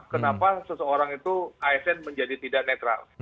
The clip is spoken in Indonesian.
kenapa seseorang itu asn menjadi tidak netral